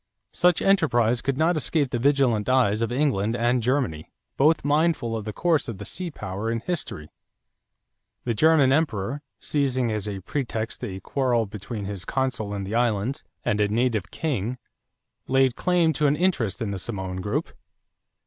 Such enterprise could not escape the vigilant eyes of England and Germany, both mindful of the course of the sea power in history. The German emperor, seizing as a pretext a quarrel between his consul in the islands and a native king, laid claim to an interest in the Samoan group.